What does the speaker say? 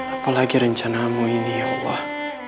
apalagi rencanamu ini ya allah